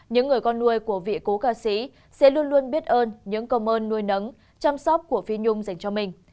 những người con nuôi của vị cố ca sĩ sẽ luôn luôn biết ơn những công ơn nuôi nấng chăm sóc của phi nhung dành cho mình